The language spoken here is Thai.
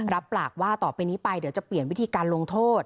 รับปากว่าต่อไปนี้ไปเดี๋ยวจะเปลี่ยนวิธีการลงโทษ